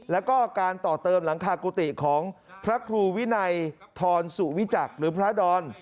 แล้วก็การต่อเติมหลังคากุฏิของพระครูวินัยทรสุวิจักษ์หรือพระดอน